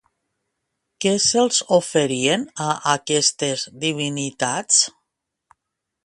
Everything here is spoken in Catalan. Què se'ls oferien a aquestes divinitats?